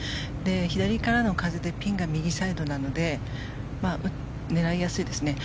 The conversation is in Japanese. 左からの風でピンが右サイドなので狙いやすいですね。